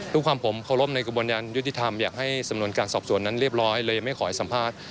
ด้วยความผมเคารพในกระบวนการยุติธรรมอยากให้สำนวนการสอบสวนนั้นเรียบร้อยเลยไม่ขอให้สัมภาษณ์